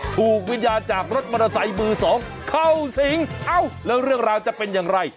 ถูกวิญญาณจากรถมอเตอร์ไซค์มือสองเข้าสิงเอ้าแล้วเรื่องราวจะเป็นอย่างไร